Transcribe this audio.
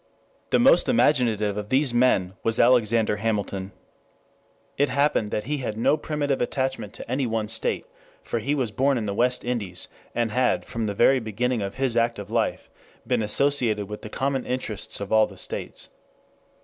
The most imaginative of these men was Alexander Hamilton. It happened that he had no primitive attachment to any one state, for he was born in the West Indies, and had, from the very beginning of his active life, been associated with the common interests of all the states.